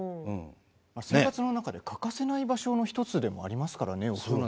生活の中で欠かせない場所の１つでもありますよねお風呂は。